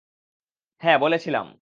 হ্যাঁ, বলেছিলাম!